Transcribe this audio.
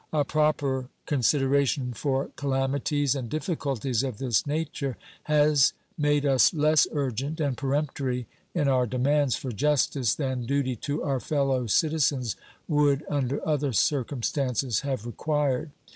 A proper consideration for calamities and difficulties of this nature has made us less urgent and peremptory in our demands for justice than duty to our fellow citizens would under other circumstances have required.